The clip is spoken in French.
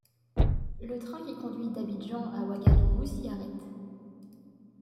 Le train qui conduit d'Abidjan à Ouagadougou s'y arrête.